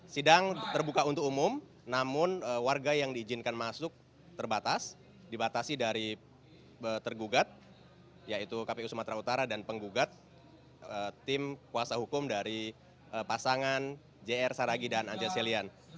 sidang terbuka untuk umum namun warga yang diizinkan masuk terbatas dibatasi dari tergugat yaitu kpu sumatera utara dan penggugat tim kuasa hukum dari pasangan jr saragi dan anja selian